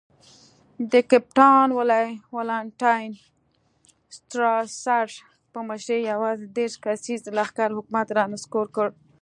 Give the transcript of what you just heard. د کپټان والنټاین سټراسر په مشرۍ یوازې دېرش کسیز لښکر حکومت را نسکور کړ.